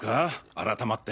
改まって。